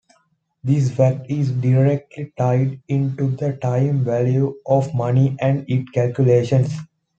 This fact is directly tied into the time value of money and its calculations.